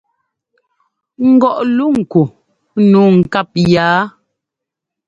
Ŋgɔʼ luŋ ku nǔu ŋkáp yaa?